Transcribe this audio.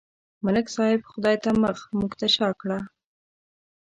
ملک صاحب خدای ته مخ، موږ ته شا کړه.